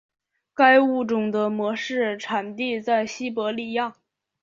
该物种的模式产地在西伯利亚。